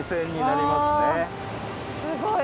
わすごい！